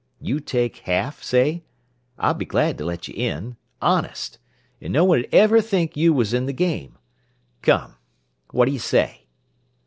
You take half, say? I'd be glad to let you in. Honest! An' no one'd ever think you was in the game. Come, what d' y' say?"